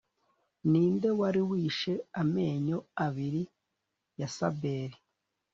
ninde wari wishe amenyo abiri ya saber.